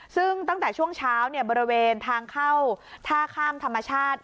ซึ่งตั้งแต่ช่วงเช้าบริเวณทางเข้าท่าข้ามธรรมชาติ